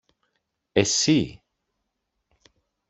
Εσύ!